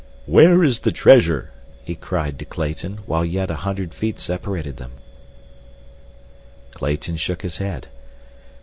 "Where is the treasure?" he cried to Clayton, while yet a hundred feet separated them. Clayton shook his head.